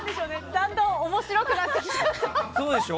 だんだん面白くなってきた。